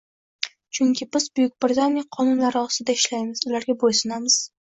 Chunki biz Buyuk Britaniya qonunlari ostida ishlaymiz, ularga boʻysunamiz